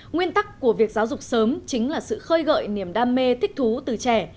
nguyên tắc của việc giáo dục sớm chính là sự khơi gợi niềm đam mê thích thú từ trẻ